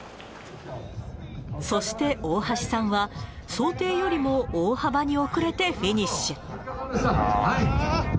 そして大橋さんは、想定よりも大幅に遅れてフィニッシュ。